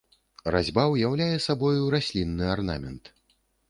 Разьба ўяўляе сабою раслінны арнамент.